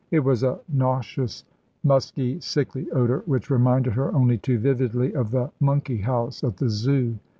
It was a nauseous, musky, sickly odour, which reminded her only too vividly of the monkey house at the Zoo.